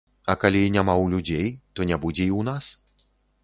А калі няма ў людзей, то не будзе і ў нас.